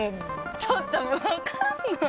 ちょっと分かんない。